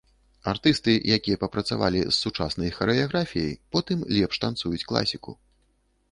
Артысты, якія папрацавалі з сучаснай харэаграфіяй, потым лепш танцуюць класіку.